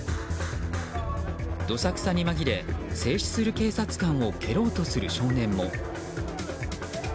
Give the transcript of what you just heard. どさくさに紛れ制止する警察官を蹴ろうとする少年も。